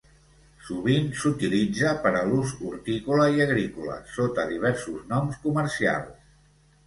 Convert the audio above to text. Sovint s'utilitza per a l'ús hortícola i agrícola sota diversos noms comercials.